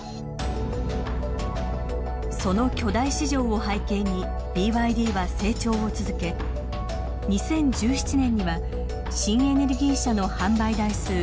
その巨大市場を背景にＢＹＤは成長を続け２０１７年には新エネルギー車の販売台数世界一となりました。